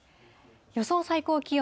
予想最高気温。